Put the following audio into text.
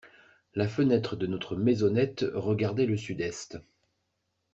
La fenêtre de notre maisonnette regardait le sud-est.